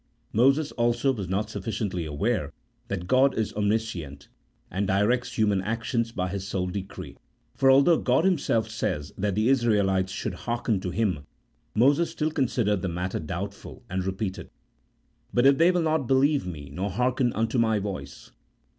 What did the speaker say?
Moses, also, was not sufficiently aware that God is om niscient, and directs human actions "by His sole decree, for although God Himself says that the Israelites should hearken to Him, Moses still considered the matter doubtful and repeated, " But if they will not believe me, nor hearken unto my voice."